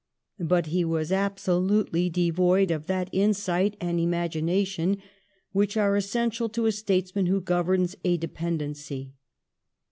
But he was absolutely devoid of that insight and imagination which are essential to a statesman who governs a dependency.